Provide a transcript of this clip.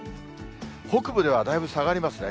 北部ではだいぶ下がりますね。